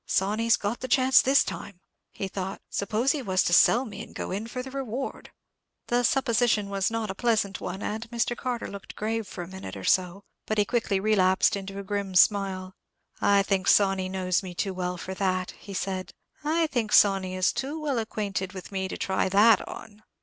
"Sawney's got the chance this time," he thought. "Suppose he was to sell me, and go in for the reward?" The supposition was not a pleasant one, and Mr. Carter looked grave for a minute or so; but he quickly relapsed into a grim smile. "I think Sawney knows me too well for that," he said; "I think Sawney is too well acquainted with me to try that on."